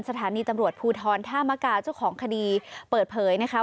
สถานีตำรวจภูทรท่ามกาเจ้าของคดีเปิดเผยนะคะ